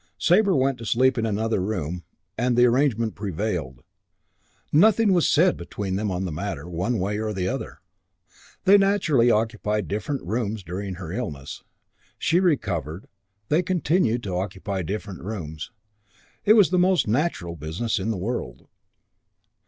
Sabre went to sleep in another room, and the arrangement prevailed. Nothing was said between them on the matter, one way or the other. They naturally occupied different rooms during her illness. She recovered. They continued to occupy different rooms. It was the most natural business in the world.